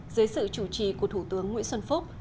dưới sự chủ trì của thủ tướng nguyễn xuân phúc